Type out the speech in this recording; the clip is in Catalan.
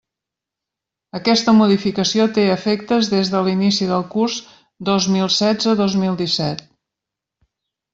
Aquesta modificació té efectes des de l'inici del curs dos mil setze-dos mil disset.